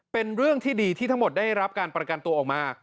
เป็นเรื่องที่ดีที่ทั้งหมดได้รับการประกันตัวออกมา